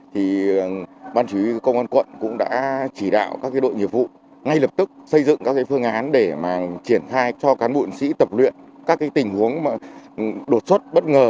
thì ban chí công an quận cũng đã chỉ đạo các đội nghiệp vụ ngay lập tức xây dựng các phương án để mà triển thai cho cán bụng sĩ tập luyện các tình huống đột xuất bất ngờ